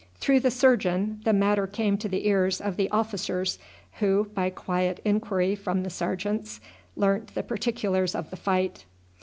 Through the surgeon the matter came to the ears of the officers, who, by quiet inquiry from the sergeants, learnt the particulars of the fight.